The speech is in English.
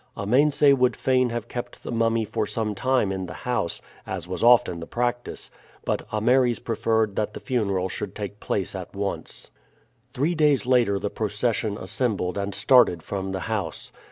Amense would fain have kept the mummy for some time in the house, as was often the practice, but Ameres preferred that the funeral should take place at once. Three days later the procession assembled and started from the house.